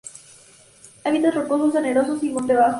Hábitats rocosos, arenosos y monte bajo.